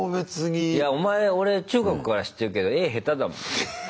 いやお前俺中学から知ってるけど絵下手だもん。